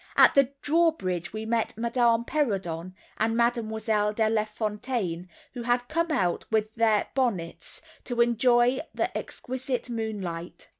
At the drawbridge we met Madame Perrodon and Mademoiselle De Lafontaine, who had come out, without their bonnets, to enjoy the exquisite moonlight.